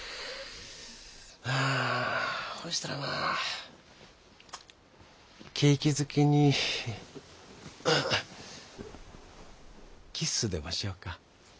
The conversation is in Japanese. はあほしたらまあ景気づけにキッスでもしよか。